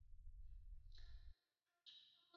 完全麻痹是藉由前额的运动是否有受损来决定。